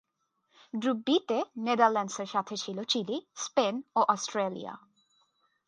Group বি-তে নেদারল্যান্ডসের সাথে ছিল চিলি, স্পেন ও অস্ট্রেলিয়া।